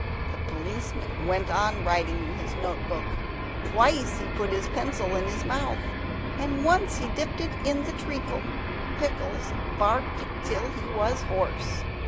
The policeman went on writing in his notebook; twice he put his pencil in his mouth, and once he dipped it in the treacle. Pickles barked till he was hoarse.